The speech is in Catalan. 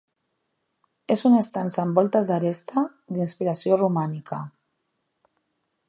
És una estança amb voltes d'aresta, d'inspiració romànica.